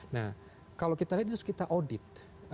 nah kalau kita lihat terus kita audit